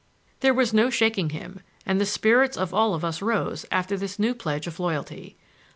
There was no shaking him, and the spirits of all of us rose after this new pledge of loyalty.